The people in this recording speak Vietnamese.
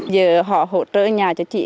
giờ họ hỗ trợ nhà cho chị